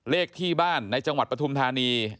เลขที่บ้านในจังหวัดปฐุมธานี